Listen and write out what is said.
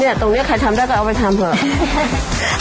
ตรงนี้ใครทำได้ก็เอาไปทำเถอะ